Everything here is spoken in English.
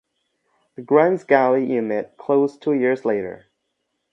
The Grimes Galley unit closed two years later.